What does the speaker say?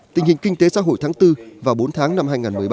tình hình kinh tế xã hội tháng bốn vào bốn tháng năm hai nghìn một mươi bảy